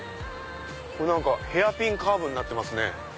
これ何かヘアピンカーブになってますね。